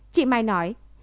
chị mai nói